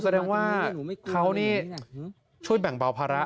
แสดงว่าเขานี่ช่วยแบ่งเบาภาระ